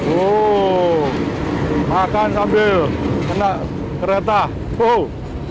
wow makan sambil kena kereta wow